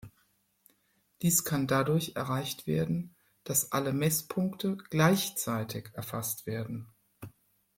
Dies kann dadurch erreicht werden, dass alle Messpunkte gleichzeitig erfasst werden.